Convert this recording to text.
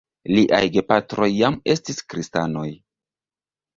Liaj gepatroj jam estis kristanoj.